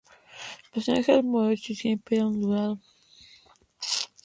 El personaje es morocho, y tiene el pelo ondulado.